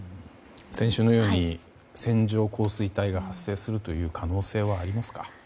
先週のように線状降水帯が発生する可能性はありますか？